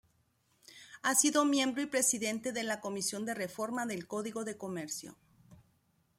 Ha sido miembro y Presidente de la Comisión de Reforma del Código de Comercio.